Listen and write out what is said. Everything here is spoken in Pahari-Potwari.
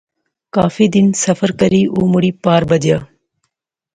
کافی دن سفر کری او مڑی پار پجیا